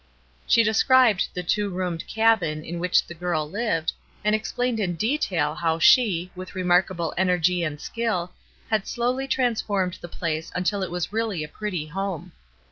She described the two roomed cabin in which the girl lived, and explained in detail how she, with remarkable energy and skill, had slowly transformed the place until it was really a pretty home.